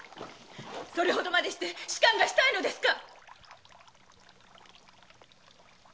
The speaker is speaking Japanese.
それほどまでして仕官がしたいのですか！